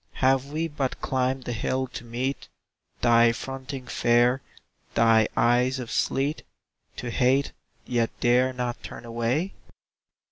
Have we but climbed the hill to meet Thy fronting fare, thy eyes of sleet? To hate, yet dare not turn away?